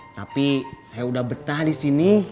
tapi saya udah betah disini